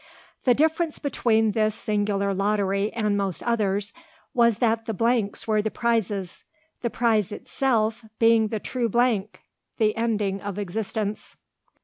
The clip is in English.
The difference between this singular lottery and most others, was that the blanks were the prizes, the prize itself being the true blank, the ending of existence.